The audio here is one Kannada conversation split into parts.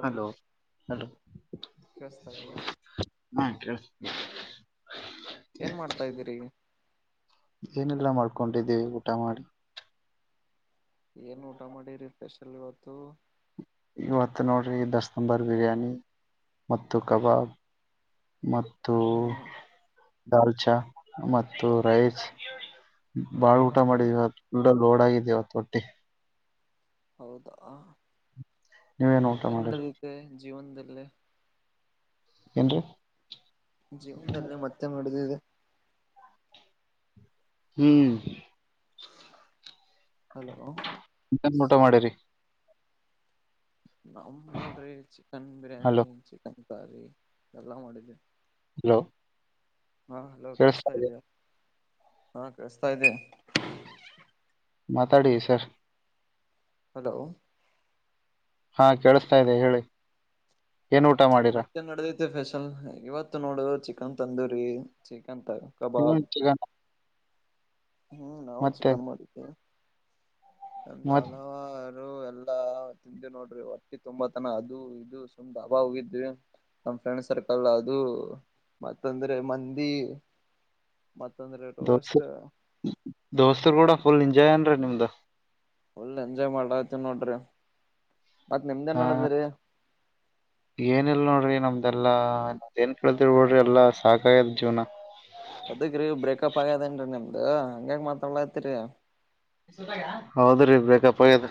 ಹಲೋ ಹಲೋ ಕೇಳಸ್ತಾ ಇದ್ಯಾ ಹಾ ಕೇಳಿಸುತ್ [unintelligible] ಏನ್ ಮಾಡ್ತಾಯಿದ್ರಿ ಏನಿಲ್ಲ ಮಾಡ್ಕೊಂಡಿದ್ದೀವಿ ಊಟ ಮಾಡಿ ಏನ್ ಊಟ ಮಾಡಿ ರೀ ಸ್ಪೆಷಲ್ ಇವತ್ತು ಇವತ್ತು ನೋಡ್ರಿ ಮಸ್ತ್ ದಮ್ ಬಿರಿಯಾನಿ ಮತ್ತು ಕಬಾಬ್ ಮತ್ತು ಹಾ ದಾಲ್ಚಾ ಮತ್ತು ರೈಸ್ ಬಾಳ ಊಟ ಮತ್ತ ಮಾಡಿದೀವಿ ಇವತ್ತು ಫುಲ್ಲ ಲೋಡ್ ಆಗಿತಿ ಇವತ್ ಹೊಟ್ಟಿ ಹೌದ ನೀವೇನ್ ಊಟ ಮಾಡಿರಿ ಜೀವನದಲ್ಲಿ ಏನ್ರಿ ಜೀವನದಲ್ಲಿ ಮತ್ತೆ ಮಾಡ್ಡದಿದೆ ಹ್ಮ್ ಹಲೋ ಏನ್ ಊಟ ಮಾಡಿರಿ ನಾವು ನೋಡ್ರಿ chicken hello biryani chicken curry ಎಲ್ಲ ಮಾಡಿದೀವಿ ಹಲೋ ಹಾ ಹಲೋ ಕೇಳಿಸ್ತಾ ಕೇಳಸ್ತಾ ಇದೆ ಇದೇಯಾ ಹಾ ಕೇಳಸ್ತಾ ಇದೆ ಮಾತಾಡಿ ಸರ್ ಹಲೋ ಹಾ ಕೇಳಸ್ತಾ ಇದೇ ಹೇಳಿ ಏನ್ ಊಟ ಮಾಡಿರಾ ಮತ್ತೆ ಏನ್ ನಡದೈತೆ ಸ್ಪೆಷಲ್ ಇವತ್ತು ನೋಡು ಚಿಕನ್ ತಂದೂರಿ ಚಿಕ್ ನ್ ಏನು ಕಬಾಬ್ ಚಿಕನ್ ಹ್ಮ್ ನಾವು ಮತ್ತೆ ಚಿಕನ್ ಮಾಡಿದ್ದೇವೆ ಅಂತ ಮತ್ ಹಲವಾರು ಎಲ್ಲಾ [unintelligible] ತಿಂದೆ ನೋಡ್ರಿ ಹೊಟ್ಟಿ ತುಂಬಾತನ ಅದು ಇದು ಸುಮ್ಮ ಡಾಬಾ ಹೋಗಿದ್ವಿ ನಮ್ ಫ್ರೆಂಡ್ ಸರ್ಕಲ್ ಅದು ಮತ್ತ ಅಂದ್ರೆ ಮಂದಿ [unintelligible] ಮತ್ತಂದ್ರೆ ದೋಸ್ ರೋಸ್ಟ್ ದೋಸ್ತರುಗುಡ ಫುಲ್ ಎಂಜಾಯ್ ಏನ್ರಿ ನಿಮ್ದು ಫುಲ್ ಎಂಜಾಯ್ ಮಾಡ್ಲಾತೀವ್ ನೋಡ್ರಿ ಮತ್ತ್ ನಿಮ್ದ ಏನ್ ನಡದಾರಿ ಏನಿಲ್ಲ ನೋಡ್ರಿ ನಮ್ದು ಎಲ್ಲಾ ಏನ್ ಕಳ್ತಿರಿ ಬಿಡ್ರಿ ಎಲ್ಲಾ ಸಾಕಾಗ್ಯದ ಜೀವ್ನ ಏದಕ್ ರೀ ಬ್ರೇಕಪ್ ಆಗ್ಯದೇನ್ರಿ ನಿಮ್ದು ಹಾಂಗ್ಯಾಕ್ ಮಾತಾಡ್ಲತೀರಿ ಹೌದ್ರಿ ಬೇಕಪ್ ಆಗ್ಯದ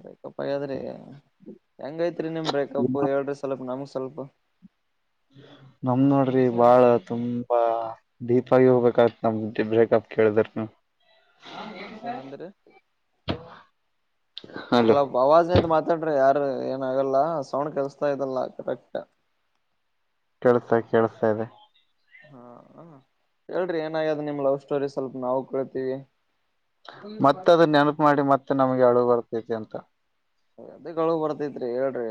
ಬ್ರೇಕಪ್ ಹಾಗ್ಯಾದ್ರಿ ಹೆಂಗೈತ್ರಿ ನಿಮ್ ಬ್ರೇಕಪ್ ಹೇಳರಿ ಸ್ವಲ್ಪ ನಮಗ್ ಸ್ವಲ್ಪ ಹ್ಮ ನಮ್ದ ನೋಡ್ರಿ ಬಾಳ ತುಂಬಾ ಡೀಪ್ ಆಗಿ ಹೋಗ್ಬೇಕಾಗತ್ ನಮ್ದು ಬ್ರೇಕಪ್ ಕೇಳಿದ್ರ ನೀವು [inaudible] ಏನಂದ್ರಿ ಹಲೋ ಸ್ವಲ ಅವಾಜಿಂದ ಮಾತಾಡ್ರಿ ಯಾರ ಏನ ಆಗಲ್ಲ ಸೌಂಡ್ ಕೆಲ್ಸತಾ ಇದಲ್ಲ ಕರೆಕ್ಟ್ ಕೇಳ್ತಾ ಕೇಳ್ತಾ ಇದೆ ಹಾ ಹ ಹೇಳ್ರಿ ಏನಾಗ್ಯಾದ ನಿಮ್ ಲವ್ ಸ್ಟೋರಿ ಸ್ವಲ್ಪ ನಾವು ಕಳ್ತೀವಿ ಮತ್ತ ಅದನ್ನ ನೆನಪು ಮಾಡಿ ಮತ್ತೆ ನಮಗೆ ಅಳು ಬರ್ತೈತಿ ಅಂತ ಯದಕ್ಕ ಅಳು ಬರ್ತೈತ್ರಿ ಹೇಳ್ರಿ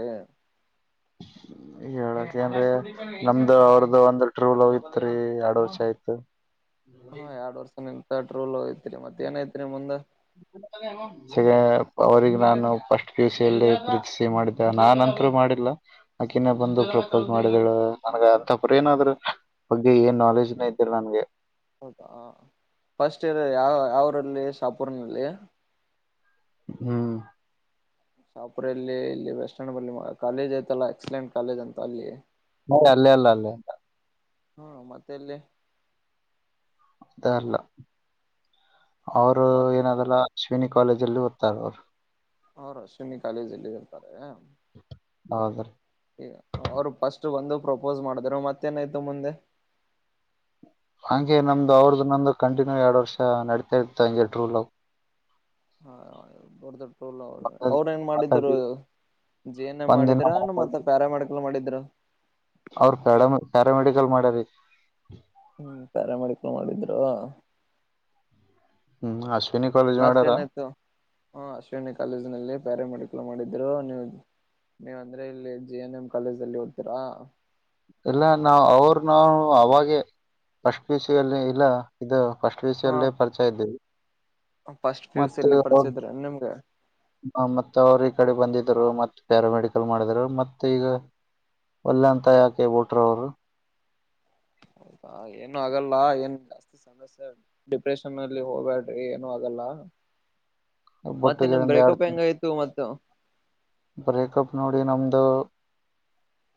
ಹೇಲಾಕೆದ್ರಿ ನಮ್ದ ಅವ್ರದು ಒಂದ ಟ್ರೂ ಲವ್ ಇತ್ರಿ ಎರಡು ವರ್ಷ ಆಯ್ತು ಹಾ ಎರಡ್ ವರ್ಷನಿಂದ ಟ್ರೂ ಲವ್ ಸಗ ಅವ್ರಿಗೆ ನಾನು ಫಸ್ಟ್ ಪುಸಿಯಲ್ಲಿ ಪ್ರೀತಿಸಿ ಮಾಡಿದ್ದೆ ನಾನಂತರು ಮಾಡಿಲ್ಲ ಆಕಿನ ಬಂದು ಪ್ರಪೋಸ್ ಮಾಡಿದಳ ನನ್ಗ ಅಂತಪ್ರ ಏನಾದ್ರರು ಬಗ್ಗೆ ಏನ್ ನಾಲೆಜ್ನ ಇದ್ದೀರಿ ನನ್ಗೆ ಹೌದಾ ಫಸ್ಟ್ ಇರ್ ಯಾವ ಯಾವರಲ್ಲಿ ಸಪೂರ್ನಲ್ಲಿ ಹ್ಮ್ ಶಾಪುರಲ್ಲಿ ಇಲ್ಲಿ ವೆಸ್ಟಂಡ ಬಲ್ಲಿ ಕಾಲೇಜ್ ಐ್ತಲ್ಲಾ ಎಕ್ಸಲೆಂಟ್ ಕಾಲೇಜ್ ಅಂತ ಅಲ್ಲಿ ಹ ಅಲ್ಲೇ ಅಲ್ಲ ಅಲ್ಲೇ ಹ್ಮ ಮತ್ತೆ ಅಲ್ಲಿ ಇದ ಅಲ್ಲ ಅವರು ಮತ್ ಏನದಲ್ಲ ಶವಿನಿ ಕಾಲೇಜಲ್ಲಿ ಉತ್ತಾರರ್ ಅವ್ರು ಅಶ್ವಿನಿ ಕಾಲೇಜ್ಲ್ಲಿ ಇರ್ತಾರೆ ಹೌದ್ರ ಅವ್ರು ಫಸ್ಟ್ ಒಂದು ಪ್ರಪೋಸ್ ಮಾಡಿದ್ರು ಮತ್ತೇನಾಯ್ತು ಮುಂದೆ ಹಂಗೆ ನಮ್ದು ಅವ್ರದ್ದು ನಮ್ದು ಕಂಟಿನ್ಯೂ ಎರಡು ವರ್ಷ ನೆಡಿತಾ ಇತ್ತು ಟ್ರೂ ಲವ್ ಹಾ ಟ್ರೂ ಲವ್ ಅವ್ರ ಏನ್ ಮಾಡಿದರು ಮಾತಾಡಿ ಜಿ ಎಂ ಒಂದಿನ ಮಾಡಿದ್ರ ಮತ್ತ ಪ್ಯಾರಾಮೆಡಿಕಲ್ ಮಾಡಿದ್ರ ಅವ್ರ ಪ್ಯಾರ ಪ್ಯಾರಾಮೆಡಿಕಲ್ ಮಾಡ್ಯರಿ ಹ್ಮ್ ಕರೆ ಮಾಡಿಕೊಂಡ ಮಾಡಿದ್ರು ಹ್ಮ್ ಆಸು ಮತ್ತ ಏನಾಯ್ತು ಹ ಅಶ್ವಿನಿ ಕಾಲೇಜ್ಲ್ಲಿ ಪ್ಯಾರ ಮೆಡಕ್ಲ್ ಮಾಡಿದ್ರು ನೀವು ನೀವಂದ್ರೆ ಇಲ್ಲಿ ಜಿ ಎನ್ ಎಂ ಕಾಲೇಜ್ ಅಲ್ಲಿ ಓದ್ತೀರಾ ಇಲ್ಲ ನಾ ಅವರು ನಾ ಅವಾಗೆ ಸ್ ಪಿಸಿಯಲ್ಲಿ ಇಲ್ಲ ಇದು ಅಷ್ಟಟ್ ಹ ವಿಷಯಲ್ಲೇ ಪರಿಚಯ ಇದ್ದೀವಿ ಫಸ್ಟ್ ಪಿ ಯು ಸಿ ಮತ್ತೆ ಅಲ್ಲಿ ಪರಿಚಯ ಇದ್ರ ನಿಮ್ಗೆ ಹ ಮತ್ತೆ ಅವ್ರ ಈ ಕಡೆ ಬಂದ ಮತ್ತ ಪ್ಯಾರಾಮೆಡಿಕಲ್ ಮಾಡಿದ್ರು ಮತ್ತೆ ಈಗ ಒಲ್ಲೆಂತ ಯಾ ಕೆ ಟ್ರ ಅವರು ೌದಾ ಏನು ಆಗಲ್ಲ ಏನ್ ಜಾಸ್ತಿ ಸಮಸ್ಯೆ ಡಿಪ್ರೆಷನ್ ಅಲ್ಲಿ ಹೋಗಬ್ಯಾಡ್ರಿ ಏನು ಆಗಲ್ಲ ಮತ್ತೆ ನಿಮ್ ಒಬ್ಬೊಟ್ಟಿಗಿರಿಂದ ಬ್ರೇಕಪ್ ಎರಡು ಹೆಂಗಾಯ್ತು ಮ ಬ್ರೇಕಪ್ ನೋಡಿ ನಮ್ದು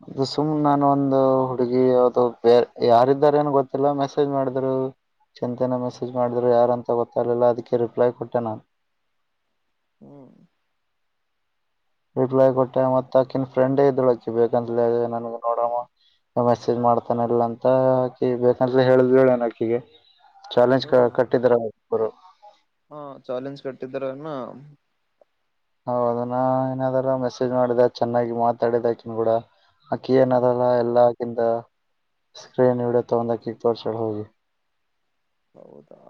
ಅದು ಸುಮ್ನೆ ನಾನು ಒಂದು ಹುಡುಗಿ ಅದು ಬೇರೆ ಯಾರಾರ ಏನು ಗೊತ್ತಿಲ್ಲ ಮೆಸೇಜ್ ಮಾಡ ರು ಚಿಂತೆನ ಮೆಸೇಜ್ ಮಾಡಿದ್ರು ಯಾರಂತ ಗೊತ್ತಾಗ್ಲಿಲ್ಲ ಅದಕ್ಕೆ ರಿಪ್ಲೈ ಕೊಟ್ಟೆ ನಾನು ಹ್ಮ್ ರಿಪ್ಲೈ ಕೊಟ್ಟೆ ಮತ್ತ ಅಕ್ಕಿನ ಫ್ರೆಂಡೇ ಇದ್ಳು ಅಕ್ಕಿ ಬೇಕಂದಲ ನನ್ ನೋಡಮ್ಮ ಮೆಸೇಜ್ ಮಾಡ್ತಾನಲ್ಲ ಅಂತ ಆಾಕಿ ಬೇಕಂದ್ರ ಹೇಳುದ್ೆನ ಅಕ್ಕಿಗೆ ಚಾಲೆಂಜ್ ಕಟ್ಟಿದರರು ಹಾ ಚಾಲೆಂಜ್ ಕಟ್ಟಿದಾರನ್ನ ಹೌ ಅದನ್ನ ಏನಾದಾರ ಮೆಸೇಜ್ ಮಾಡಿದ ಚೆನ್ನಾಗಿ ಮಾತಾಡಿದಕನ್ ಕೂಡ ಆಕ್ಕಿ ಏನ್ ಅದಲ್ಲ ಎಲ್ಲಾಗಿಿಂದ ಸ್ಕ್ರೀನ್ ಇಡ ತಗೊಂಡ ಕಿ ಬೋಡ್ಸ್ಡ್ ಹೋಗಿ ಹೌದಾ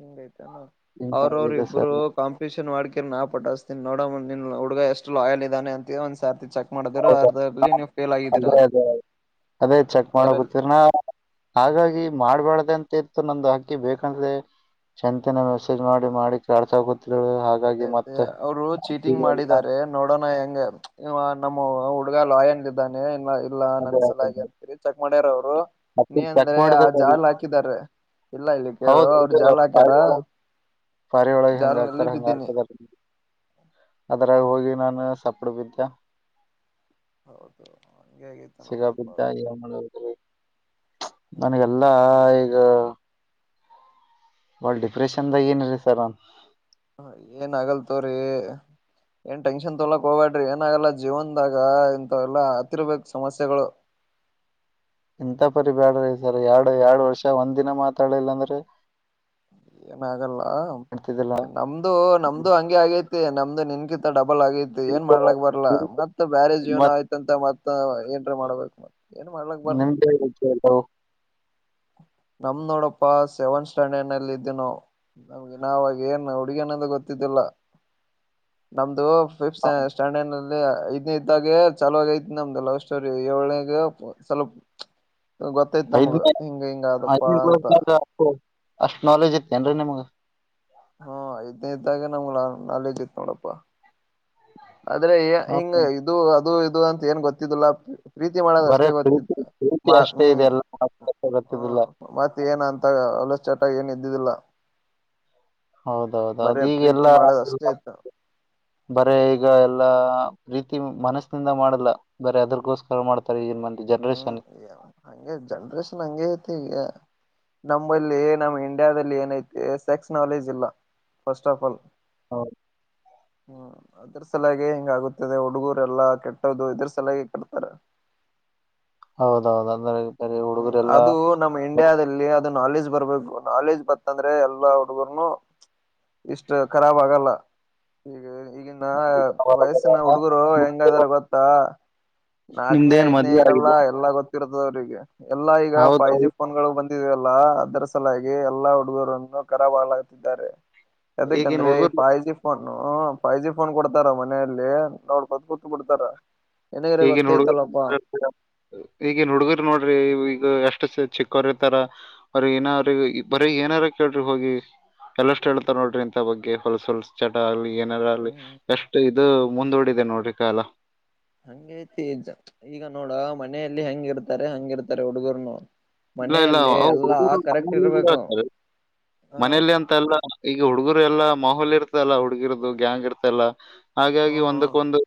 ಹಿಂಗಯ್ತಾನ ಅವ್ರ ಅವ್ರ ನಿಂತಾಗಿದೆ ಇಬ್ರು ಸರ್ ಕಾಂಪಿಟಿಷನ್ ಮಾಡಕರ್ ನಾ ಪಟತ ನೋಡ ನಿನ್ ಹುಡುಗ ಎು ಲ ಆಾಯಲ್ ಇದಾನೆ ಅಂತ ಒಂದ ಸತಿ ಚೆಕ್ ಮಾಡಿದ್ರು ಅದ್ರಲ್ಲಿ ಅದೆ ಅದೇ ಅದೇ ಚೆಕ್ ಅದ್ರಲ್ಲಿ ಮಾಡಕತರನಾ ಹಾಗಾಗಿ ಮಾಡ್ಬ್ಯಾಡ್ದ ಅಂತ ಇತ್ತು ನಮು ಹಕ್ಕಿ ಬೇಕಂದ್ರೆ ಚಂತಿನ ಮೆಸೇಜ್ ಮಾಡಿ ಮಾಡಿ ಕಾಸಕ ಅತ್ತೇ ಅತ್ತೆ ಅವರು ಚೀಟಿಂಗ್ ಇವೆಲ್ಲ ಮಾಡಿದ್ದಾರೆ ನೋಡೋಣ ಹೆಂಗ ನಮ್ಮ ಹುಡುಗ ಲಾಯನ್ ಇದ್ದಾನೆ ಇಲ್ಲ ಇಲ್ಲಾ ಅದೇ ನನ್ ಸಲಾಗಿೆ ಆಗಿದೆ. ಅಂತೀರಿ ಚೆಕ್ ಮಾಡ್ಯಾರ ಅವ್ರು ಅಕ್ಕಿ ನೀ ಚೆಕ್ ಅಂದ್ರೆ ಆ ಮಾಡಿದ್ರೆ ಅದು ಜಾಲ ಹಾಕಿದಿದ್ದಾರೆ ಇಲ್ಲ ಇಲ್ಲಿ ಕೇಳು ಅವ್ರ ಜಾಲ ಹಾಕ್ಯಾರ ಾರಿ ಒಳಗೆ ಹಂಗ ಆಗ್ತಾರ ಜಾಲ್ನಲ್ಲಿ ಹಂಗ ಬಿದ್ದೀನಿ ಆಗ್ತದ ಅದರಾಗ ಹೋಗಿ ನಾನು ಸಪಡ್ ಬಿದ್ದೆ ಹೌದು ಹಂಗೆ ಆಗೈತೆ ನೋಡಪ್ಪ ಸಿಗಾಬಿದ್ದ ಯಮಗಳೂರುದಲ್ಲಿ ನನಗೆಲ್ಲಾ ಈ ಈಗ ಒಳ ಡಿಪ್ರೆಷನ್ದಾಗ ಏನರೀ ಸರ್ ಒನ್ ಹ ಏನ್ ಆಗಲ್ತವ್ರೀ ಏನ್ ಟೆನ್ಷನ್ ತೊಲಕ್ ಹೋಗಬೇಡ್ರಿ ಏನಾಗಲ್ಲ ಜೀವನ್ದಾಗ ಇಂತ ಎಲ್ಲಾ ಹತ್ತಿರ್ಬೇಕಕ್ ಸಮಸ್ಯೆಗಳು [inaudible] ಇಂತ ಪರಿ ಬ್ಯಾಡ್ರಿ ಸರ್ ಎರಡು ಎರಡ್ ವರ್ಷ ಒಂದ್ ದಿನ ಮಾತಾಡ್ಲಿಲ್ಲ ಅಂದ್ರೆ ಏನಾಗಲ್ಲ ಮಾಡ್ತಿದ್ದಿಲ್ಲ ನಮ್ದು ನಮ್ದು ಹಂಗೆ ಆಗೈತಿ ನಮ್ದು ನಿನ್ಕಿತ್ತ ಡಬ್ಬ ಬಲ್ ಆಗೈ ಏನ್ ನಿಮ್ಗೆ ಮಾಡ್ಲಕ್ ಬರಲಾ ಮತ್ತ ಬ್ಯಾರೇಜ್ ಏನ್ ಆಯ್ತಂತ ಮತ್ತ ಏನ್ ಮಾಡ್ಬೇಕು ನಿಮಲ್ಲ ನಮ್ ನೋಡಪ್ಪಾ ಸೆವೆಂತ್ ಸ್ಟ್ಯಾಂಡರ್ಡ್ ನಲ್ಲಿ ಇದ್ದ ನ ನಮ್ಗೆ ನಾವಾಗ ಏನ್ ಹುಡುಗ್ಯನದ ಗೊತ್ತ ಲ್ಲ [inaudible] ನಮ್ದು ಫಿಫತ್ ಸ್ಟ್ಯಾಂಡರ್ಡ್ಲ್ಲಿ ಇದಐ್ ಇದ್ದಾಗೆ ಚಲುವಾಗ ಐತಿ ನಮ್ದು ಲವ್ ಸ್ಟೋರಿ ಏಳ್ನಗೆ ಸ್ವಲ್ಪ ಗೊತ್ತಾಯ್ತ್ ನಮಗ ಐದನೇ ಹಿಂಗ ಹಿಂಗ ಆದ [inaudible] ಹಾ ಐದ್ನೇ ಇದ್ದಾಗ ನಮ್ ಕಾಲೇಜು ಇತು ನೋಡಪ್ಪಾ ಆದ್ರೆ ಹಿಂಗ ಹೌದಾ? ಇದು ಅದು ಇದು ಅಂತ ಏನ್ ಗೊತ್ತಿದಿಲ್ಲ ಪ್ರೀತಿ ಮಾಡೋದು ಬರೇ ಅಷ್ಟೇ ಪ್ರೀತಿ ಗೊತ್ತಿತ್ತು ಪ್ರೀತಿ ಮತಿ ಅಷ್ಟೇ ಇದೆ ಎಲ್ಲ ಹ್ಮ ಗೊತ್ತಿದಿಲ್ಲ ಮತ್ತ ಏನ ಅಂತಾಗ ಅಲಷ್ಟ ಚಟಾಗಿ ಏನ್ ಇದ್ದುದಿಲ್ಲ ಹೌದೌದೌದು ಬರೇ ಈಗೆಲ್ಲ ಪ್ರೀತಿ ಮಾಡೋದ ಅಷ್ಟೇ ಇತ್ತು ಬರ ಈ ಈಗ ಎಲ್ಲಾ ಪ್ರೀತಿ ಮನಸ್ಸನಿಂದ ಮಾಡಿಲ್ಲ ಬರ ಅದರ್ಗೋಸ್ಕರ ಮಾಡ್ತಾರೆ ಈಗನ್ ಮಂದ ಹ್ಮ್ ಹಂಗಗೆ ಜನ್ರೇಷನ್ ಹಂಗಗೆ ಐತಿ ಈಗ ನಮ್ಮಂಬಲ್ಲಿ ನಮ್ಮ್ ಇಂಡಿಯಾದಲ್ಲಿ ಏನೈತಿ ಸೆಕ್ಸ್ ನಾಲೆಜ್ ಇಲ್ಲ ಫರ್ಸ್ಟ್ ಆಫ್ ಆಲ್ ಹೌದು ಹ್ಮ್ ಅದ್ರ ಸಲಾಗೆ ಹೇಗೆ ಆಗದೆ ಹುಡುಗೂರೆಲ್ಲಾ ಕೆಟ್ಟದು ಇದ್ರ ಸಲಾಗಿೆ ಕೆಡ್ತಾರೆ ಹೌದೌದು ಅಂದ್ರೆ ಬರೀ ಹ್ಮ್ ಹುಡುಗರೆಲ್ಲಾ ಅದು ನಮ್ಮ ಇಂಡಿಯಾದಲ್ಲಿ ನಾಲೆಜ್ ಬರ್ಬೇಕು ನಾಲೆಜ್ ಬತ್ತಂದ್ರೆ ಎಲ್ಲಾ ಹುಡುಗರ್ನು ಇಷ್ಟು ಖರಾಬ್ ಆಗಲ್ಲ ಹೀಗ ಈಗಿನ ವಯಸ್ಸಿನ ಹುಡುಗರು ಹೆಂಗ್ದಾರ ಗೊತ್ತಾ ನಾಕನೇ ನಿಮ್ದೇನ್ ಐದ್ನೇ ಮದ್ವೆ ಇರಲ್ಲ ಆಗಿದೆ ಎಲ್ಲಾ ಗೊತ್ತಿರುತದ ಅವ್ರಿಗೆ ಎಲ್ಲಾ ಈಗ ಫೈವ್ ಜಿ ಹೌದೌದು ಫೋನ್ ಗಳು ಬಂದ ಅದರ ಸಲಾಗಿ ಎಲ್ಲಾ ಹುಡುಗರನ್ನು ಕರಬಾಳಾಗುತ್ತಿದ್ದಾರೆ ಈಗಿನ ಅದಕಂದ್ರೆ ಹುಡುಗರು five G phone five G phone ಕೊಡ್ತಾರ ಮನೆಯಲ್ಲಿ ನೋಡ್ ಕತ್ ಕೂತ್ ಬಿಡ್ತಾರ ನಿನಗರೆ ಈಗನ್ ಹುಡುಗ ಗೊತ್ತೈತಲ್ಲಪ್ಪಾ ಈಗನ್ ಹುಡುಗರ ನೋಡ್ರಿ ಎಷ್ಟು ಚಿಕ್ಕವ್ರ ಇರ್ತಾರ ಅವ್ರ ಇನ ಅವ್ರಿಗೆ ಬರ ಏನಾರ ಕೇಳಿ ಹೋಗಿ ಎಲ್ಲಷ್ಟು ಹೇಳ್ತ ನೋಡ್ರಿ ಇಂತ ಬಗ್ಗೆ ಹೊಲ್ಸ ಹೊಲ್ ಚಟ ಆಗ್ಲಿ ಏನಾರ ಅಲ್ಲಿ ಹ್ಮ್ ಎಷ್ಟು ಇದು ಮುಂದೂಡಿದೆ ನೋಡ್ರಿ ಕಾಲ ಹಂಗ ಐತಿ ಈಗ ನೋಡ ಮನೆಯಲ್ಲಿ ಹೆಂಗಿರ್ತಾರೆ ಹಾಂಗೆ ಇರ್ತಾರೆ ಹುಡುಗರು ನು ಇಲ್ಲ ಇಲ್ಲ ಆ ಇರ್ಬೇಕು ಹುಡುಗರು ಹ ಮನೇಲಿ ಅಂತ ಲ್ಲ ಈಗ ಹುಡುಗರು ಎಲ್ಲಾ ಮೊಬೈಲ್ ಇರುತ್ತಲ್ಲ ಹುಡುಗಿರದು ಗ್ಯಾಂಗ್ ಇರ್ತಲ್ಲ ಹಾಗಾಗಿ ಒಂದಕ್ಕೊಂದು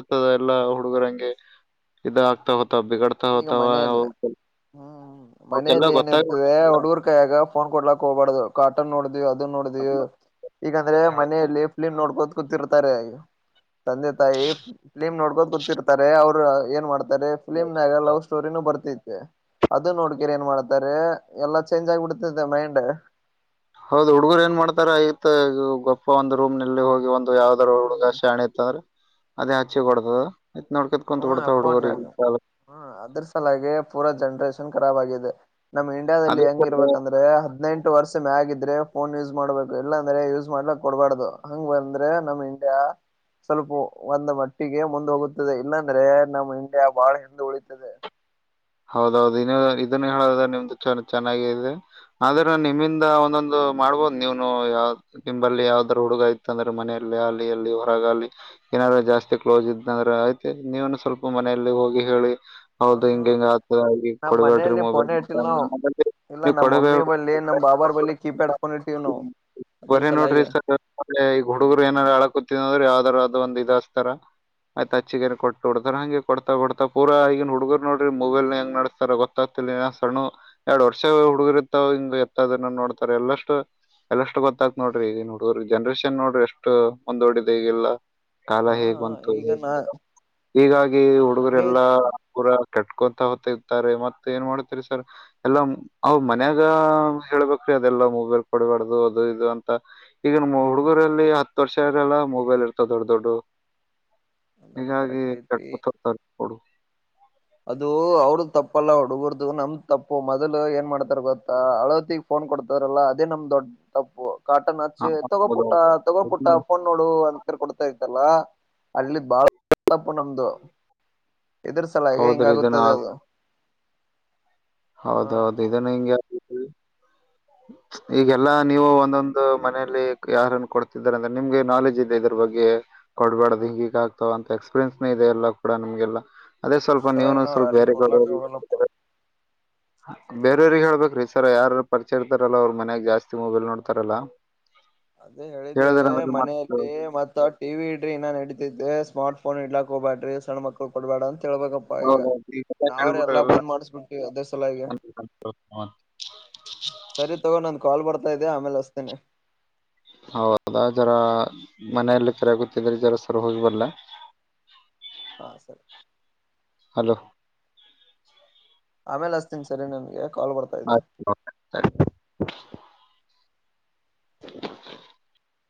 ಇತದ ಎಲ್ಲ ಹುಡುಗರಂಗೆ ಇದಾಗಗ್ತಾ ಹೋತಾವ ಬಿಗಾಡ್ತಾ ಹೋತಾವ ಅವಕ್ಕೆಲ್ಲ ಮನೇಲಿ ಗೊತ್ತಾಗ ಏನಿರ್ತದೆ ಹುಡುಗರ್ ಕಾಯಯಾಗ ಫೋನ್ ಕೊಡ್ಲಾಕ್ ಹೋಗಬಾರ್ದು ಕಾಟನ್ ನೋಡ ಅದು ನೋಡಿದವಿ ಈಗಕಂದ್ರೆ ಹೇಳತ್ತ ಮನೆಯಲ್ಲಿ ಫಿಲ್ಮ್ ನೋಡ್ಕೋತ ಕೂತಿರ್ತಾರೆ ತಂದೆ ತಾಯಿ ಫ್ಲಿಮ್ ನೋಡ್ಕೋದು ಗೊತ್ತಿರ್ತಾರೆ ಅವರು ಏನ್ ಮಾಡ್ತಾರೆ ಫಿಲಿ್ ಲವ್ ಸ್ಟೋರಿನೂ ಬರ್ತೈತೆ ಅದು ನೋಡ್ಕರಿ ಏನ್ ಮಾಡ್ತಾರೆ ಎಲ್ಲಾ ಚೇಂಜ್ ಆಗಿ ಬಿಡ್ತದೆ ಮೈಂಡ್ ಹೌದ್, ಹುಡ್ಗರು, ಏನ್, ಮಾಡ್ತಾರ! ಆಯತ್ ಈ, ಗೊಪ್ಪ, ಒಂದ್, ರೂಮ್ನಲ್ಲಿ, ಹೋಗಿ ಒ? [inaudible] ಯಾವ್ದ್ರ, ಹುಡುಗ ಶಾಣೆ ಇತ್ತಂದ್ರ ಅದೇ ಹಚ್ಚಿ, ಬಿಡದು. [inaudible] ಹ್ಮ, ಫೋನಾಗ, ಹ್ಮ, ಅದ್ರ, ಸಲಾಗೆ, ಪೂರಾ ಜನ್ರೇಷನ್? [inaudible] ಅಷ್ಟು, ಕರಾಬ್, ಆಗಿದೆ! ನಮ್ಮ್, ಇಂಡಿಯಾದಲ್ಲಿ ಅದೇ ಹೆಂಗಿರ್ಬೇಕಂದ್ರೆ, ಹದಿನೆಂಟು, ವರ್ಷ, ಮ್ಯಾಗಿದ್ದ? [inaudible] ಇದ್ರೆ, ಫೋನ್, ಯೂಸ್, ಮಾಡ್ಬೇಕು! ಇಲ್ಲಾ ಅಂದ್ರೆ, ಯೂಸ್, ಮಾಡ್ಲಕ್, ಕೊಡ್ಬಾರ್ದು, ಹಾಂಗೂ, ಬಂದ್ರೆ, ನಮ್, ಇಂಡಿಯಾ? [unintelligible] ಸ್ವಲ್ಪ, ಒಂದು, ಮಟ್ಟಿಗೆ ಮುಂದು, ಹೋಗುತ್ತದೆ, ಇಲ್ಲಾಂದ್ರೆ? [inaudible] ಅಂದ್ರೆ, ನಮ್ಮ್, ಇಂಡಿಯಾ, ಬಾಳ ಹಿಂದೆ ಉಳಿತದೆ! [inaudible] ಹೌದೌದು, ಇನ್ನು, ಇದನ್ನು, ಹೇಳದು, ನಿಮ್ದು ಚನ್ನಾಗಿದೆ, ಆದ್ರೆ ನಿಮ್ಮಿಂದ, ಒಂದೊಂದು? [inaudible] ಮಾಡ್ಬೋದು, ನೀವುನು ಯಾವ ನಿಂಬಲ್ಲಿ! ಯಾವುದಾದರೂ, ಹುಡುಗ, ಇತ್ತ, ಅಂದ್ರೆ ಮನೆಯಲ್ಲಿ, ಅಲಿ, ಇಲ್ಲಿ, ಹೊರಗ, ಅಲಿ! [inaudible] ಏನಾದ್ರೂ ಜಾಸ್ತಿ ಕ್ಲೋಸ್ ಇದನಂದ್ರೆ ಆಯ್ತಿ ನೀವನು ಸ್ವಲ್ಪ ಮನೆಯಲ್ಲಿ ಹೋಗಿ ಹೇಳಿ ಹೌದು ಹಿಂಗಿಂಗ ನಮ್ಮ್ ಮನೆಯಲ್ಲಿ ಫೋನ್ ಇಟ್ಟಿಲ್ಲ ನಾವು ಇಲ್ಲ ನೀವು ನಮ್ಮ ಮಮ್ಮಿ ಕೊಡಬೇಡ ಬಲ್ಲಿ ನಮ್ ಬಾಬಾರ್ ಬಲ್ಲಿ ಕೀಪ್ಯಾಡ್ ಫೋನ್ ಇಟವಿ ಏನು? [inaudible] ಬರಿ, ನೋಡ್ರಿ ಸದ್ದ, ಈಗ, ಹುಡುಗರು, ಏನಾರ? ಆಳಕುತಿದು, ಅಂದ್ರರು ಯಾವ್ದಾರರು? ಅದ ಒಂದ್, ಇದು ಅಸ್ತರ! [inaudible] ಆಯ್ತ್, ಅಚ್ಚಗನ್, ಕೊಟ್ನೋಡುತಾನೆ, ಹಂಗೆ ಕೊಡ್ತಾ, ಕೊಡ್ತಾ, ಪೂರ, ಈಗನ್, ಹುಡುಗರು ನೋಡ್ರಿ? [inaudible] ಮೊಬೈಲ್, ಹೆಂಗು, ನಡಸ್ತಾರ, ಗೊತ್ತಾಗ್ತಿ! ಸಣ್ಣ ಎರಡ್, ವರ್ಷ, ಹುಡುಗಿರ್ತ, ಹಿಂಗ, ಎತ್ತದನ್ನ ನೋಡ್ತಾರೆ? [inaudible] ಲಾಸ್ಟು. [inaudible] ಎಲ್ಲಷ್ಟು, ಗೊತ್ತಾಗ್ತ ನೋಡ್ರಿ! ಈಗ ನೋಡ್ರಿ ಜನ್ರೇಷನ್, ನೋಡ್ರಿ, ಎಷ್ಟ್, ಮುಂದಓಡಿದೆ ಈಗೆಲ್ಲಾ? [inaudible] ಕಾಲ, ಹಾ ಹೇಗ್, ಬಂತು! ಈಗ ನಾ ಹೀಗಾಗಿ, ಹಂಗೆ ಹುಡುಗರೆಲ್ಲಾ ಐತಿ ಪುರಾ, ಕೆಟ್ಟು. [inaudible] ಮತ್ತೇರುತ್ತಾರೆ ಮತ್ತು, ಏನ್ ಮಾಡ್ತರಿ! ಸರ್ ಎಲ್ಲ, ಅವ, ಮನ್ಯಾಗ, ಹೇಳ್ಬೇಕ್ರಿ, ಅದೆಲ್ಲವು? [inaudible] ಮೊಬೈಲ್, ಕೊಡಬಾರ್ದು, ಅದು, ಇದು ಅಂತ ಈಗ ನ ಹುಡುಗರಲ್ಲಿ? ಹತ್ತು ವರ್ಷ ಇರೆಲ್ಲ! ಮೊಬೈಲ್, ಇರ್ತದೆ, ದೊಡ್ಡ, ದೊಡ್ಡ. [inaudible] ಹೂ, ಅದಾನು ಹೀಗಾಗಿ, ಕರೆಕ್ಟ್ ಐತಿ ಕೆಟ್ಕತತ, ಕೊಡು! [unintelligible] ಇದು, ಅವ್ರ ತಪ್ಪಲ್ಲ, ಹುಡುಗರ್ದು, ನಮ್ದ್, ತಪ್ಪು. ಮೊದಲು, ಏನ್, ಮಾಡ್ತಾರ! ಗೊತ್ತಾ ಅಳವತಿಗ್, ಫೋನ್, ಕೊಡ್ತಾರೆ. [inaudible] ಕೊಡತರಲ್ಲ, ಅದೇ, ನಮ್ದ್, ದೊಡ್ಡ, ತಪ್ಪು? [inaudible] ಕಾಟನ್, ಹಾ ಹಚ್ಚಿ ತಕ್ಕೊ, ಪುಟ್ಟ, ಹೌದೌದು ತಾಕೊ, ಪುಟ್ಟ ಇದನ್ನ- ಫೋನ್, ನೋಡು, ಅಂತರ, ಕೊಡ್ತಾ? [inaudible] ಅದೆಲ್ಲಾ, ಅಲ್ಲಿ ಬಾಳ ತಪ್ಪು ನಮ್ದು ಇದರ್, ಸಾಲು. [unintelligible] ಹಂಗೆ, ಹಿಂಗು, ಹೌದ್ರಿ ಇದನ್ನ ಆಗುತ್ತದೇ, ಆದ್- ಅದು! [unintelligible] ಹಾ ಹೌದೌದು, ಇದನ್ನ, ಹಿಂಗಾಗಿ. [unintelligible] ಈಗೆಲ್ಲಾ, ನೀವು ಒಂದೊಂದು ಮನೇಲಿ ಯಾರನ್ನು, ಕೊಡ್ತಿದ್ದಾರ! ಅಂದ್ರೆ, ನಿಮ್ಗೆ, ನಾಲೆಜ್ ಇದೆ, ಇದರು, ಬಗ್ಗೆ. [unintelligible] ಕೊಡುಬಾರ್ಧು, ಹಿಂಗೂಹಿಂಗಾ, ಆಗ್ತಾವ, ಅಂತ ಎಕ್ಸ್ಪೀರಿಯನ್ಸ್ನ, ಇದೆ ಎಲ್ಲ ಕೊಡಂಗೇಲ್ಲ. [inaudible] ಅದೇ, ಇದ್ರ ಸ್ವಲ್ಪ, ಸಲಾಗಿ ನೀವುನು, ನಾವ್ ಸ್ವಲ್ಪನು ಯಾರಿಗ್ ಕೊಡ್ಲಾಕ್ ಯಾರಿಗಾದರೂ. ಹೋಗಲ್ಲಪ್ಪ [inaudible] ಬೇರೆಯವ್ರ, ಹೇಳ್ಬೇಕ್ರೀ, ಸರ್, ಯಾರ ಪರಿಚಯ, ಇರ್ತಾರಲ್ಲ! ಅವ್ರ, ಮನ್ಯಾಗ, ಜಾಸ್ತಿ ಮೊಬೈಲ್, ನೋಡ್ತಾರಲ್ಲ? [inaudible] ಅದೇ, ಹೇಳಿದ್ವಿ! ಹೇಳಿದ್ರ ಅಂದ್ರೆ ಮತ್ ಮನೆಯಲ್ಲಿ, ಮತ್ತ, ಟಿ, ವಿ. ಇಡ್ರಿ, ಇನ, ನಡಿತೈತೆ! [inaudible] ಸ್ಮಾರ್ಟ್, ಫೋನ್, ಇಡಲಾಕಾ, ಹೋಗುಬೇಡರಿ, ಸಣ್ಣ, ಮಕ್ಳ, ಕೊಡ್ಬೇಡ. [inaudible] ಕೇಳುಬೇಕ್ಯಪ್ಪ, ಈಗ, ನಾವ್ರ ಹೇಳ್ಬಿಟ್ಟ ಎಲ್ಲಾ! ಬಂದ್ ಮಾಡಿಸ್ಬಿಟ್ಟವಿ, ಅದೇ ಸಲುವಾಗಿ. [inaudible] ಹ.. [inaudible] ಸರಿ, ತಗೋ, ನನ್ ಕಾಲ್ ಬರುತ್ತೆ. [inaudible] ಹೌದಾ, ಜ್ವರ. [unintelligible] ಮನೆಯಲ್ಲಿ, ಗೊತ್ಹು, ಇರೋಜಾಗ, ಹೋಗಿಬರಲ್ಲ! [unintelligible] ಹಾ, ಸರಿ. [inaudible] ಹಲೋ.. [inaudible] ಆಮೇಲೆ, ಹಚ್ತೀನಿ, ಸರಿ, ನಿಮ್ಗೆ. [inaudible] [unintelligible] [inaudible] [inaudible] [unintelligible]